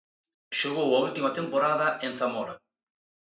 Xogou a última temporada en Zamora.